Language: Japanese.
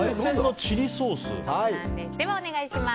では、お願いします。